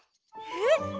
えっ？